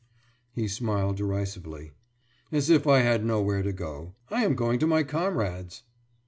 « He smiled derisively. »As if I had nowhere to go! I am going to my comrades.